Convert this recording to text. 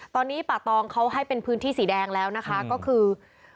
ตอนนี้ป่าตองเขาให้เป็นพื้นที่สีแดงแล้วนะคะก็คือ